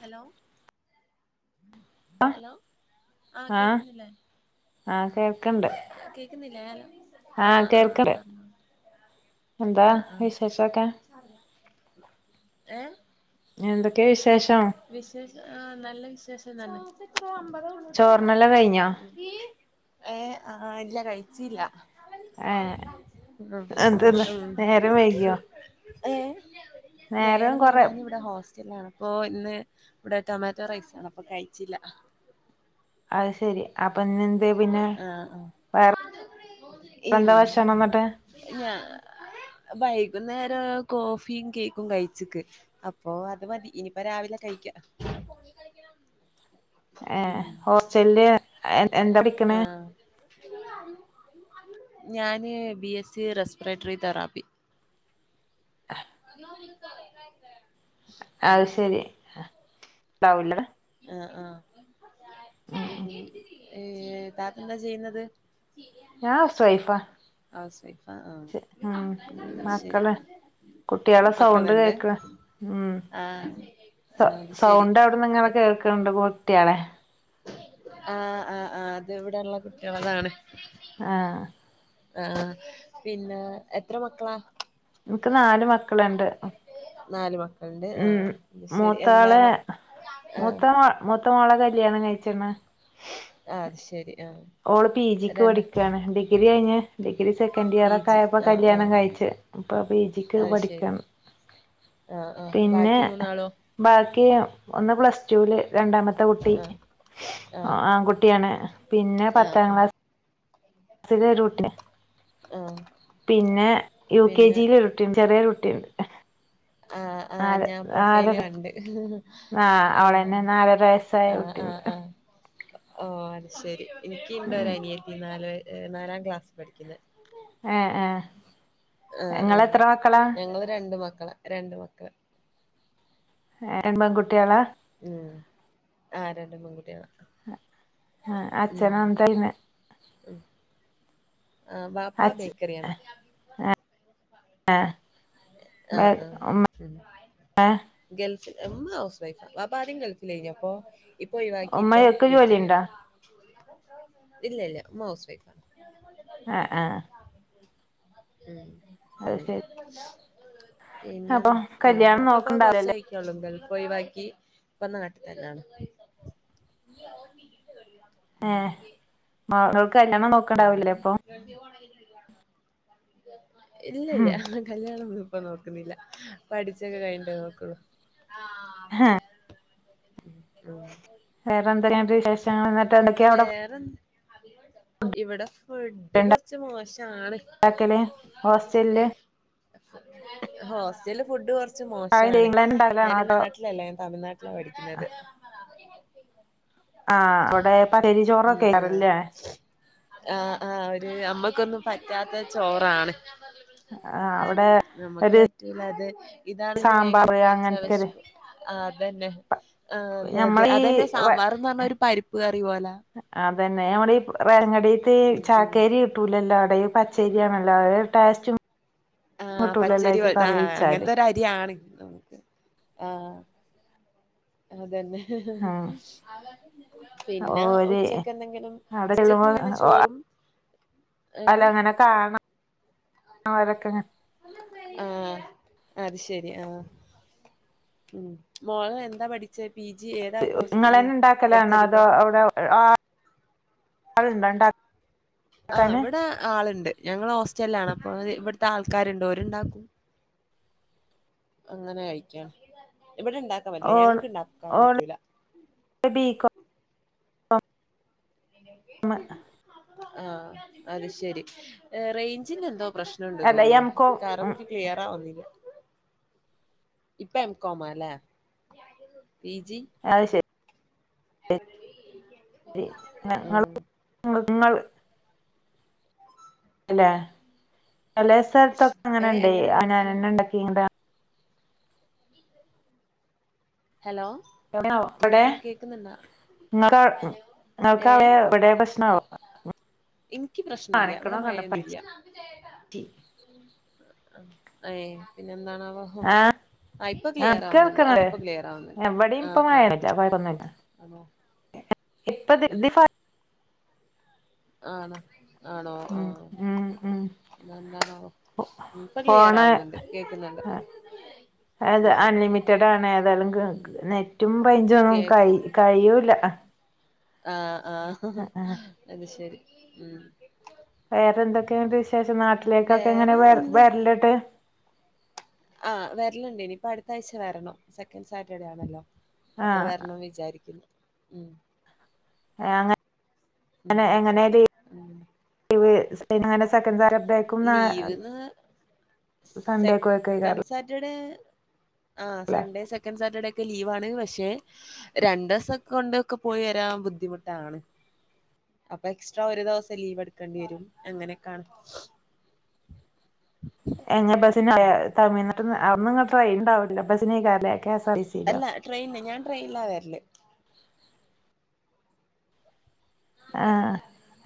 Hello ആ ആഹ്, ആഹ് കേൾക്ക്ണ്ട് കേക്കുന്നില്ലേ? ഹലോ ആഹ് ആഹ് കേൾക്കണ്ട് പറഞ്ഞോളു എന്താ ആഹ് ആഹ് [inaudible] വിശേഷൊക്കെ ഏഹ് എന്തൊക്കെ വിശേഷം വിശേഷം ആഹ് നല്ല വിശേഷം തന്നെ [inaudible] ചോറ്നെല്ലാം കഴിഞ്ഞോ ഏഹ് ആഹ് ആഹ് ഇല്ല കഴിച്ചില്ല ഏഹ് [inaudible] ഉം എന്തെന്ന് ഉം നേരം വൈകിയോ ഫുൾ ഏഹ് നേര നേരം വൈകി കൊറെ ഞാനിഇവിടെ ഹോസ് സ്റ്റലാണ് അപ്പൊ ഇന്ന് ഇവിടെ ടൊമാറ്റോ റൈസ ആണ് അപ്പൊ കഴിച്ചില്ല അത് ശരി അപ്പ ഇന്ന് അതെ പിന്നെ ആഹ് ആഹ് വേറെ വേറെന്താ ഭക്ഷണം എന്നിട്ട് ല്ലാ വൈകുന്നേരം കോഫിയും കേക്കും കഴിച്ചിക്ക് അപ്പൊ അത് മതി ഇനിയിപ്പോ രാവിലെ കഴിക്ക ഏഹ് ഉം ഹോസ്റ്റലില് എന്താ പഠിക്ക് ണെ ആഹ് ഞാന് ബി എസ് സി റെസ്പറേറ്ററി തറാപ്പി [inaudible] [inaudible] ഉം അത് ശരി ഉണ്ടാവൂല്ല ആഹ് ഉം ഉം ആഹ് ഏ താത്തെന്താ ചെയ്യുന്നത് ഞ ഹൗസ് വൈഫ ഹൗസ് വൈഫ ആഹ എന്നാ ശരി മക്കള് കുട്ടികളെ സൗണ്ട് മക്കളുണ്ട് കേക്ക ഉം ആഹ ആ അത് ശരി അവ്ട്ട്ന്ന് നിങ്ങളെ കേൾക്കണണ്ട് കുട്ട്യാളെ ആഹ് ആഹ് ആഹ് അത് ഇവിടെള്ള കുട്ടികളതാണ് ആഹ് ആഹ് ആഹ് പിന്നെ എത്ര മക്കളാ എനിക്ക് നാല് മക്കളുണ്ട് നാല് മക്കളുണ്ട് ആഹ അത് ശരി എന്താ മ ആഹ് മൂത്തമോ മൂത്തമോള കല്ല്യാണം കഴിച്ചണ് ആഹ് അത് ശെരി ആഹ ഓള് പി ജിക്ക് പഠിക്കാണ് ഡിഗ്രി കഴിഞ്ഞ് ഡിഗ്രി സെക്കൻഡ് പി ഇയർ ഒക്കെ ജി ആയപ്പോ ആഹ് കല്യാണം ആഹ് കഴിച്ച് അപ്പൊ പി ജിക്ക് അത് ശരി പഠിക്കാണ് ആഹ് ആഹ് പിന്നെ ബാക്കി മൂന്നാളോ ബാക്കി ഒന്ന് പ്ലസ് സ്ടുല് രണ്ടാമത്തെ കുട്ടി ആഹ് ആഹ് ആൺ കുട്ടിയാണ് പിന്നെ ആഹ് ആഹ് പിന്നെ ഒരു കുട്ടി അഹ് പിന്നെ യു കെ ജിയില് ഒരു കുട്ടിയുണ്ട് ചെറിയരു കുട്ടിയുണ്ട് ആഹ് ആഹ് ഞാ പ്രൊഫൈല് നാലര കണ്ട് ആഹ് അവളന്നെ നാലര വയസ്സായ കുട്ടിണ്ട് ഓ അത് ശരി എനിക്ക് ഇണ്ട് ഒര ഉം അനിയത്തി നാല് നാലാം ക്ലാസ് പഠിക്കുന്ന് ഏഹ് ഏഹ് ആഹ് ആഹ് ഇങ്ങളെത്ര മക്കളാ ഞങ്ങള് രണ്ട് മക്കള രണ്ട് മക്കൾ. ! ഏഹ് രണ്ട് പെൺകുട്ടികളാ, ഉം ആഹ്! രണ്ട് പെൺകുട്ടികളാ. ആ ഉം അച്ഛനവൻ തന്നെ പിന്നെ ഉം. ആഹ്! ബാപ്പാ ബേക്കറിയാന്ന് ആഹ് ആഹ് ഹ ആഹ് ഉം [inaudible] ഗൾഫിൽ, ഉമ്മ ഹൗസ് വൈഫാ ബാപ്പ ആദ്യം ഗൾഫിൽ ആയിഞ്ഞപ്പോ. ഇപ്പൊ ഒഴിവാക്കി. ഇപ്പ ഉമ്മക്ക് ബേക്കറിയ ജോലിയുണ്ടോ ഇല്ലില്ല, ഉമ്മ ഹൗസ് വൈഫ ആണ്! ആഹ് ആഹ് ഉം അത് ഉം ശരി പിന്നെ അപ്പൊ ന്താ കല്യാണം വാപ്പപ്പൊ നോക്കണ്ടാവില്ലല്ലേ കൊറച്ചായി. ഗൾഫ് ഒഴിവാക്കി ഇപ്പ നാട്ടിൽ തന്നെയാണ്. ഉം... ഏഹ് ഓക്ക് കല്യാണം നൊ ഉം ഇല്ലില്ല. ഉം കല്യാണം ഒന്നും ഇപ്പൊ നോക്കുന്നില്ല. പഠിച്ചൊക്കെ കഴിഞ്ഞിട്ടേ നോക്കുന്നുള്ളു! [unintelligible] ഉം.. വേറെ എന്തെങ്കെയാ വിശേഷം? എന്നിട്ട് എന്തെക്കെയാ അവിടെ. വേറെന്ത്. ഇവിടെ ഫുഡ് കുറച്ച് മോശാണ്. ഉണ്ടാക്കല് ഹോസ്റ്റലില് ! ഹോസ്റ്റലില് ഫുഡ് കുറച്ച് അത് മോശാണ്! നിങ്ങളന്നെ ഉണ്ടാക്കലാണോ ഞാൻ അതോ നാട്ടി ലല്ലേ.. തമിഴ്നാട്ടില പഠിക്കുന്നത്.. ! ആഹ്! അവിടെ പലരി ഉം ചോറൊക്കെ ആഹ് ആവുമല്ലേ? ആഹ് ആഹ്! ഒരു അമ്മക്കൊന്നും പറ്റാത്ത ചോറാണ്! ആഹ് അവിടെ നമക്ക് ഒരു പറ്റൂല അത്. ഇതാണെങ്കി വേഗം സാമ്പാറ് കഴിച്ചാൽ അങ്ങനത്തെക്കെ വിശക്കും. ആഹ്! അതന്നെ. ആഹ് അതെ അതെ അതന്നെ ഞമ്മളീ സാമ്പാർന്ന് പറഞ്ഞാ ഒരു പരിപ്പ് കറി പോലാ. അതന്നെ, നമ്മടെ ഈ റേഷൻ കാടെൽത്ത ഈ ഉം ഉം ചാക്കരി. ട്ടൂല്ലല്ലോ? അവിടെ ഈ പച്ചരിയാണല്ലാ? ഒരു ടെസ്റ്റും... ആഹ്! പച്ചരി പോലത്തെ, ആഹ് ഒഴിച്ചാല് അങ്ങനത്തെ ഒരു അരിയാണ് നമുക്ക് ആഹ്! അതന്നെ! ഉം പിന്നെ ഓര് ഉച്ചക്ക് എന്തെങ്കിലും. അവിടെ ഉച്ചക്ക് ചെല്ലുമ്പോ ഇങ്ങനെ ചോറും ഏഹ്? ന്താണ് അവരൊക്കെ ആഹ്! അത് ശരി! ആഹ്! ഉം മോളു എന്താ പഠിക ച്ചെ? പി ജി ഏതാ കോഴ്സ് ഇത് ങ്ങളന്നെ എടുത്ത ണ്ടാക്കലാണോ? അതോ ഡിപ്പാർട്ട്മെന്റ് അവിടെ ആൾ ഇണ്ട? ഇണ്ടാ ആഹ്! ഇവിടെ ആള്ണ്ട്. ഞങ്ങൾ ഹോസ്റ്റലിലാണ്. അപ്പൊ ഇവിടുത്തെ ആൾക്കാരുണ്ട്. ഓര്ണ്ടാ അങ്ങനെ കഴിക്കാണ്. ഇവിടെണ്ടാ ഓള് ഓള് ബി. കോം. ആഹ്! അത് ശരി. റേഞ്ചിന് എന്തോ പ്രശ്നം. ണ്ട് അല്ല എം തോന്നുന്നു. കോം ഉം കറക്റ്റ് ക്ലിയറാവുന്നില്ല. ഇപ്പ എം. കോമ ല്ലേ? പി. ജി. അത് ശരി. [unintelligible] ശരി നിങ്ങൾ ആഹ് നിങ്ങൾ. അല്ലെ? പലേ സ്ഥലത്തൊക്കെ ഏ അങ്ങനെണ്ട് എങ്ങനെ മനസ്സിലായി അനാനന്നണ്ടൊക്കി ഇങ്ങ... [unintelligible] ഹലോ. ! ഹലോ എവിടെ. കേക്കുന്നുണ്ട? ങ്ങടെ [unintelligible] ഇവിടെ പ്രശ്നാവും. ഇനിക്ക് പ്രശ്നല്ല. ഇവിടെ മയൊന്നുല്ല. പച്ചി അയ് പിന്നെ എന്താണാവോ? ആഹ്! ആ ഇപ്പൊ ആഹ് ക്ലിയർ ആവുന്നുണ്ട് ആ കേൾക്കണൊണ്ടു ഇപ്പൊ ക്ലിയർ ആവുന്നുണ്ട് ഇവിടെ ആ ഇപ്പ ആ മയില്ല. കുഴപ്പോന്നുല്ല. ആണോ? ഇപ്പ ദിതി [unintelligible] ആണോ ആണോ? ഉം ആഹ്! ഉം ഉം എന്താണ്? ഇപ്പൊ ഫോണ് ക്ലിയറാവുന്നുണ്ട്. കേക്കുന്നുണ്ട്. അത് ആ അൺലിമിറ്റഡാണ്. അത് കാരണം കേക്കും നെറ്റും റെയ്ഞ്ചും കഴി കേക്കും കഴിയൂല്ല! ആഹ്! ആഹ്! അത് ശരി. ഉം! വേറെന്തൊക്കെയാണ് വിശേഷം? നാട്ടിലേക്കൊക്കെ എങ്ങനെ വേറെ വ വരലിട്ട്? ആഹ്! വരലണ്ട് ഇനിയിപ്പ അടുത്ത ആഴ്ച വരണം സെക്കൻഡ് സാറ്റർഡേ ആണല്ലോ. അപ്പൊ ആഹ് വരണംന്ന് വിചാരിക്കുന്നു. ഉം! [unintelligible] ഉം ഉം അങ്ങനെ സെക്കൻഡ് സാറ്റർഡേക്കും ആഹ് ലീവ്ന്ന് സൺഡെക്കും ആയ് ആകാരം സെക്കൻഡ് സാറ്റർഡേ ആഹ് സൺഡേ സെക്കൻഡ് സാറ്റർഡേ ഒക്കെ ലീവാണ്. പക്ഷെ? രണ്ടു ദിവസംക്കെ കൊണ്ട്ക്കെ പോയി വരാൻ ബുദ്ധിമുട്ടാണ്. അപ്പൊ എക്സ്ട്രാ ഒരു ദിവസം ലീവ് എടുക്കേണ്ടി വരും. അങ്ങനൊക്കാണ്. എങ്ങനെ ബസിനല്ലെ. തമിഴ്നാട്ടിന്ന് അവിടുന്നിങ്ങോട്ട് ട്രെയിൻണ്ടാവുല്ലോ. ബസിനല്ലെ കെ എസ് ആർ ടി സിലോ? ട്രയിന്. ഞൻ ട്രയിനിലാ വരല്! ആഹ്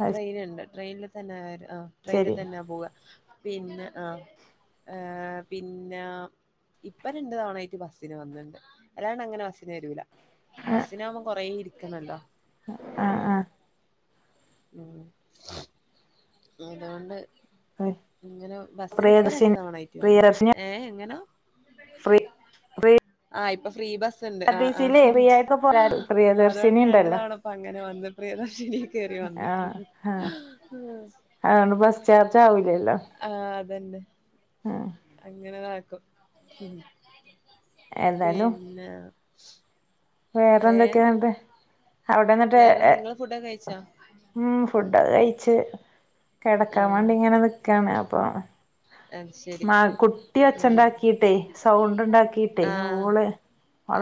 അത് ട്രെയിനുണ്ട്. ട്രെയിനിൽ തന്നാ ട്രെയിനിൽ ശരി തന്നാ പോവ പിന്നെ ആഹ് ഏഹ് പിന്നെ ഇപ്പ രണ്ട് തവണായിട്ട് ബസ്സിന് വന്നിണ്ട്. അല്ലാണ്ട് അങ്ങനെ ബസ്സിന് വരൂല. ബസിനാവുമ്പം കൊറെ ഇരിക്കണല്ലോ. ആഹ്! ആഹ്! ഉം! അതോണ്ട് ആഹ് ഇങ്ങനെ ബസിനപ്പ രണ്ടു പ്രിയദർശിനി തവണ ആയിട്ട് വന്നു. പ്രിയദർശിനി ഏഹ് എങ്ങനാ? ഫ്രീ ഫ്രീ ആഹ്! ഇപ്പൊ ഫ്രീ ബസ്! ആർ ആ ടി സിയിലേ ആഹ് ഫ്രീ ആയിട്ട് പോരാലോ അതുകൊണ്ട് പ്രിയദർശിനി രണ്ടു ഉണ്ടല്ലോ തവണ അപ്പ അങ്ങനെ വന്ന് പ്രിയദർശിനി കേറി വന്ന്. ആഹ് ആഹ് അതു ബസ് ചാർജ് ആവൂലല്ലോ. ആഹ് അതന്നെ ആഹ് അങ്ങനെതാക്കും. ഏതായാലും പിന്നെ? വേറെ ഏഹ് എന്തൊക്കെയൊണ്ട്? അവിടെന്നിട്ട് വേറെ നിങ്ങള് ഫുഡൊക്കെ കഴിച്ചോ ഉം. ഫുഡൊക്കെ കഴിച്ചു. കെടക്കാൻ ആഹ് വേണ്ടി ഇങ്ങനെ നിക്കയാണ്. അപ്പൊ ആഹ് ശരി ആ കുട്ടി ഒച്ച ഉണ്ടാക്കിട്ടേ സൗണ്ട് ഉണ്ടാക്കിട്ടേ ആഹ് ഓള്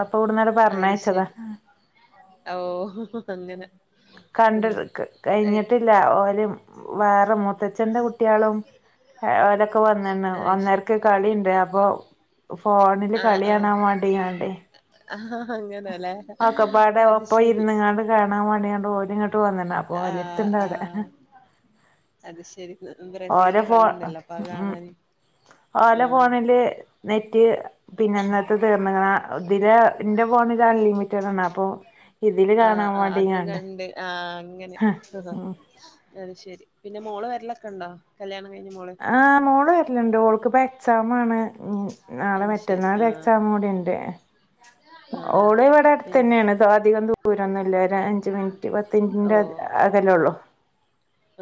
ആഹ് കൂടുന്നാ പറഞ്ഞെ? അത് ശരി ഓഹ് അങ്ങനെ കണ്ട് ഉം ഏഹ് കഴിഞ്ഞിട്ടില്ല. ഓര് വേറെ മൂത് മുത്തച്ഛ്ന്റെ കുട്ടികളും അവരൊക്കെ വന്നണ്. അത് ശരി ഒന്നരക്ക് കളിയുണ്ട് അപ്പൊ? ഫോണില് ആഹ് കളി ആഹ് കാണാൻ വേണ്ടിയാണ്ടേ ആഹ് അങ്ങനെല്ലേ പക്കപ്പാടെ അത് ശരി ഒപ്പമിരുന്നിങ്ങാണ്ട് കാണാൻ വേണ്ടി ഞാൻ ഓലിങ്ങട്ട് വന്നിന് അപ്പൊ ആഹ് ലിട്ത്ണ്ടവിടെ! ആഹ് അത് ശരി! ഓനെ ബ്രസീലിന്റെ ഫോൺ കളിയുണ്ടല്ലോ അപ്പൊ അത് ഉം കാണാന് ഓൻ്റെ ആഹ് ഫോണില് നെറ്റ് പിന്നെ ഇന്നല്ത്തെ തീർന്ന്ക്കണ്. ഇതിലെ എന്റെ ഫോണില് അൺലിമിറ്റഡണ്. അപ്പൊ ഇതില് ആഹ് കാണാൻ ആ അത് വേണ്ടിങ്ങാണ്ട് കണ്ട് ആഹ് അങ്ങനെ അത് ശരി പിന്നെ മോള് വരലൊക്കെണ്ടോ കല്യാണം കഴിഞ്ഞ മോള് ആഹ് മോള് വരല്ണ്ട് മോൾക്ക്പ്പോ എക്സമാണ് മ് മ് നാളെ അത് ശരി മറ്റന്നാ ആഹ് എക്സാം കൂടി ണ്ട് ആഹ് ഓള് വിടെ പിൻ അടുതെന്നെണ് അത അധികം ദൂരോന്നുല്ല ഇല്ല അഞ്ച് മിനിറ്റ് പത്ത് മിനിറ്റിൻ്റെ അകലുള്ളൂ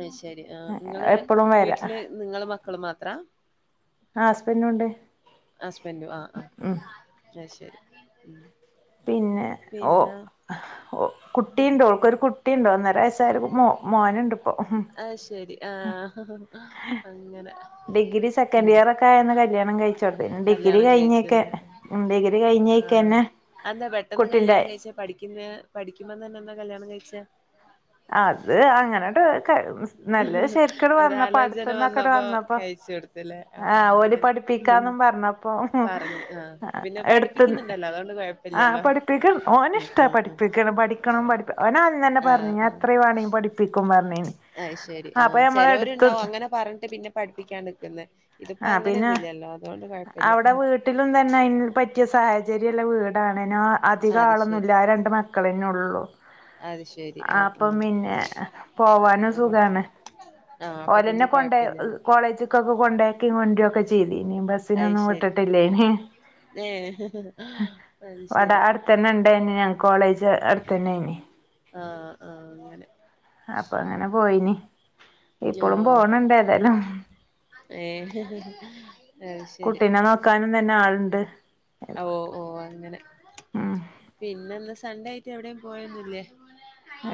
ഐ ശരി ആ ങ്ങള് എപ്പളും വരാ വീട്ടില് നിങ്ങള് മക്കൾ മാത്ര ആഹ് ഹസ്ബൻടുണ്ട് ഹസ്ബൻഡും ആഹ് ആഹ് അയ്ശരി ഉം പിന്നെ ഓ പിന്നെ ഓ കുട്ടിണ്ട് ഒൾക്ക് ഒരു കു ട്ടിണ്ട് ഒന്നര വയസ്സായ മോ മോനുണ്ട് പ്പൊ ഐ ശരി അഹ് അങ്ങനെ ഡിഗ്രി ഉം സെക്കൻഡ്യർ ഒക്കെ ആയന്ന് കല്യാണം കഴിച്ചോന്നെ ഡിഗ്രി കല്യാണം കഴിഞ്ഞക്കെ കഴിച്ചല്ലേ ഡിഗ്രി കഴിഞ്ഞെക്കന്നെ അഹ് എന്താ പെട്ടെന്ന് കല്യാണം കഴിച്ച പഠിക്കുന്ന പഠിക്കുമ്പോന്ന് തന്നെ എന്താ കല്യാണം കഴിചെ അത് അങ്ങനെട്ട് ക്കെ നല്ല ശരിക് വന്നപ്പോ ഒരാലോചന അടുത്തന്നൊക്കെ വന്നപ്പോ കഴിച്ചു കൊടുത്തല്ലേ ആ ആഹ് ഓല് അങ്ങനെ പഠിപ്പിക്കാന്നും പറഞ്ഞപ്പൊ പറഞ്ഞ് ആ പിന്നെ എടുത്തന്ന് പഠിപ്പിക്കുന്നുണ്ടല്ലോ അതുകൊണ്ട് ആഹ് കൊഴപ്പില്ലല്ലോ പഠിപ്പിക്ക ഓന ഉം ഇഷ്ട ഉം ഉം പഠിപ്പിക്കണം പഠിക്കണം പഠിപ്പ ഓന ആദ്യം തന്നെ ആ പറഞ്ഞ ത്ര വേണെ പഠിപ്പിക്കും പറഞ്ഞേന് അഹ് ശരി ആ ചിലൊരുണ്ടാവും അങ്ങനെ പറഞ്ഞിട്ട് പിന്നെ പഠിപ്പിക്കാണ്ട് ക്കുന്നത് ഇത് ആഹ് പ്പംഅങ്ങനെയൊന്നുല്ലല്ലോ അതോണ്ട് കൊഴപ്പമില്ല വീട്ടിലൊന്നും തന്നെ അതിന് പറ്റിയ സാഹചര്യംല്ല വീടാണ്നാ അധിക അത് ശരി ആളൊന്നുല്ല രണ്ട മ ക്കളന്നൊള്ളു അത് ശരി ആഹ് ഇപ്പം പിന്നെ പോവാനും സുഖാണ് ആ അപ്പൊ ഓലന്നെ പിന്നെ കൊണ്ട കൊഴപ്പില്ലല്ലോ കോളേജിൽ കൊണ്ടാക്കി കൊണ്ടര് ഒക്കെ അത് ബസിനൊന്നും ശരി വിടതില്ലേയ് ഏ അത് ശരി തന്നെ ഉണ്ടന് കോളേജ് അടുത്തന്നെയിനി ആഹ് ആഹ് അങ്ങനെ അപ്പൊ അങ്ങനെ പോയിന് ഇപ്പോഴും പോണിണ്ട് ഏതായാലും ഏഹ് അ ശരി കുട്ടീനെ നോക്കാനും തന്നെ ആളുണ്ട് ഓഹ് ഓഹ് അങ്ങനെ ഉം പിന്നെന്ന് സണ്ടേ ആയിട്ട് എവിടെയും പോയന്നില്ലേ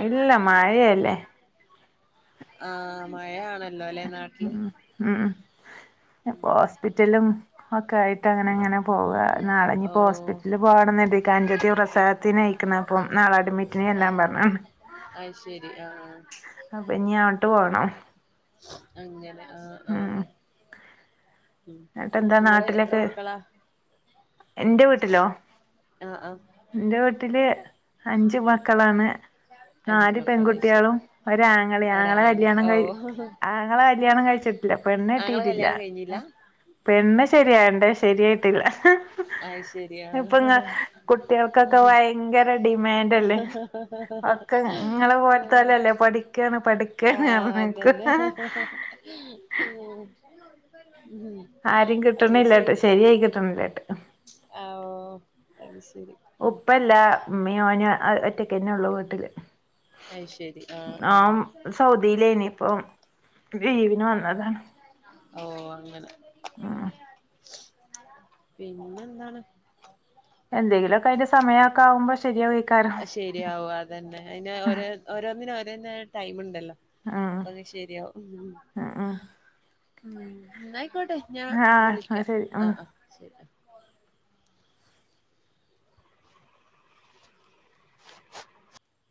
ഇല്ല മഴയല്ലേ ആഹ് മഴയാണല്ലോ ല്ലെ നാട്ട ഉമ് ഉ മ് അപ്പ ഉം ഹോസ്പിറ്റലും ഒക്കെ ആയിട്ട് അങ്ങനെ ങ്ങനെ പോവുക നാളെ ഇനി ഓ ഇപ്പോ ഹോസ്പിറ്റലിൽ പോണം [unintelligible] അഞ്ചത്തി പ്രസവത്തിനായ്ക്ണ് അപ്പം നാളെ അടിമിറ്റിന് ആ ചെല്ലാൻ പറഞ്ഞാണ് അത് ശരി ആ അപ്പൊ ഞ്ഞി ആട്ട് പോണം അങ്ങനെ ആഹ് ഉം ആഹ് ഉമ് എന്നിട്ട് എന്താ നിങ്ങള് എത്ര നാട്ടിലേക്ക് മക്കളാ ആഹ് ആഹ് ന്റെ വീട്ടില് അഞ്ചു മക്കളാണ് അഞ്ച് നാല് മക്കള അത് ശരി പെൺകുട്ട്യേളും ഒരാങ്ങളെ ആങ്ങളെ ഒരാണ് കല്യാണം ഓ കഴ ആങ്ങള കല്യാണം കഴിച്ചിട്ടില്ല പെണ്ണു ആങ്ങളെ കെട്ടീട്ടില്ല കല്യാണം കഴിഞ്ഞില്ല പെണ്ണ് ശരിയായ്ണ്ട് ശരിയായിട്ടില്ല അത് ശരി ആ ഇപ്പൊ കുട്ടികൾക്കൊക്കെ ഭയങ്കര ഡിമാൻഡല്ലേ ഒക്കെ നിങ്ങളെ ആ പോലത്തന്നല്ലേ പഠിക്കാണ് പടി ആഹ് അതന്നെ ഹ്മ്മ് ആരിം കിട്ടണില്ലട്ട് ശരിയായി കിട്ടണില്ലട്ട്. ഓ അത് ശരി. ല്ല ഉമ്മീം ഞാനും ഒറ്റക്കന്നെ ഉള്ളു വീട്ടില്. അയ് ശരി ആഹ ആഹ. ല ഇനിയിപ്പം ലീവിന് വന്നതാണ്. ഓ അങ്ങനെ പിന്നെ എന്താണ്. എന്തെങ്കിലൊക്കെ ആ യിറ്റ് സമയമൊക്കെ ആവുമ്പോ ശരിയാവുയ്ക്കാരം. ആ, ശരിയാവും അതന്നെ അതിന് ഓരോ ഓരോന്നിന ഓരോ ടൈംമുണ്ടല്ലോ. ഉം അപ്പ ന്നശെരിയാവും ഉം ഉം ഉന്നാ ആയിക്കോട്ടെ. ഞാൻ ആഹ് എന്നാ വിളിക്കാം ശരി ആ ഉം ആ ശരി. [inaudible]